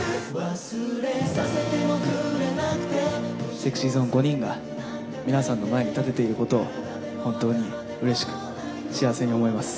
ＳｅｘｙＺｏｎｅ５人が、皆さんの前に立てていることを本当にうれしく、幸せに思います。